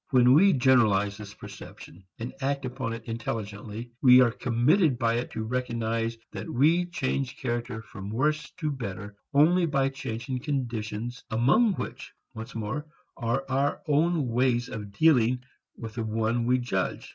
When we generalize this perception and act upon it intelligently we are committed by it to recognize that we change character from worse to better only by changing conditions among which, once more, are our own ways of dealing with the one we judge.